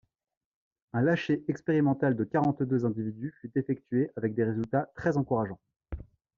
Un lâcher expérimental de quarante-deux individus fut effectué avec des résultats très encourageants.